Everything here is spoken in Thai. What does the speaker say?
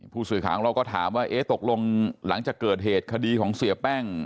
ผู้สื่อข่าวของเราก็ถามว่าเอ๊ะตกลงหลังจากเกิดเหตุคดีของเสียแป้ง